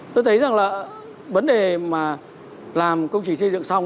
tôi thấy rằng là vấn đề mà làm công trình xây dựng xong